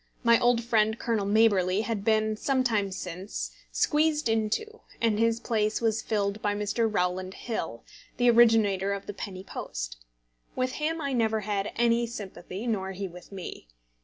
My old friend Colonel Maberly had been, some time since, squeezed into, and his place was filled by Mr. Rowland Hill, the originator of the penny post. With him I never had any sympathy, nor he with me.